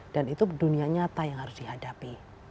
dan itu dunia nyata yang harus dihadapi